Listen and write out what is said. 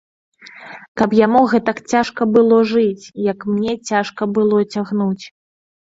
Каб яму гэтак цяжка было жыць, як мне цяжка было цягнуць.